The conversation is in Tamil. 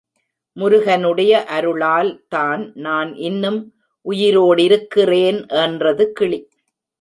முருகனுடைய அருளால் தான் நான் இன்னும் உயிரோடிருக்கிறேன் என்றது கிளி.